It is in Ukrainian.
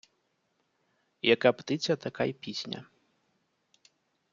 Яка птиця, така й пісня.